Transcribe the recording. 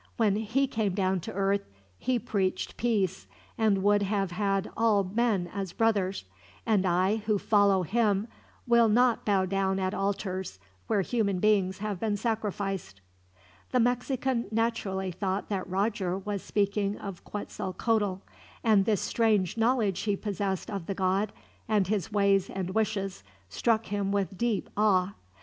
When He came down to earth He preached peace, and would have had all men as brothers; and I, who follow Him, will not bow down at altars where human beings have been sacrificed." The Mexican naturally thought that Roger was speaking of Quetzalcoatl, and this strange knowledge he possessed of the god, and his ways and wishes, struck him with deep awe.